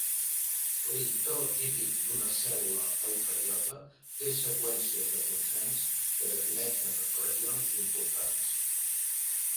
L'intró típic d'una cèl·lula eucariota té seqüències de consens que defineixen regions importants.